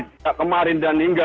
sejak kemarin dan hingga